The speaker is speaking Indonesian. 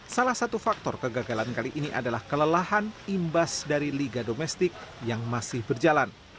salah satu faktor kegagalan kali ini adalah kelelahan imbas dari liga domestik yang masih berjalan